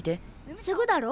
すぐだろ？